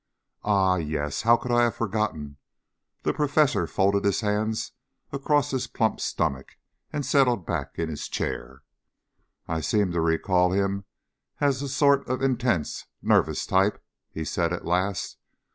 "Ah, yes, how could I have forgotten?" The Professor folded his hands across his plump stomach and settled back in his chair. "I seem to recall him as sort of an intense, nervous type," he said at last.